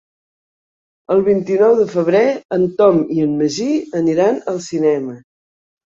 El vint-i-nou de febrer en Tom i en Magí aniran al cinema.